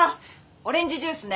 オレンジジュースね。